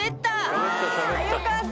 あよかった！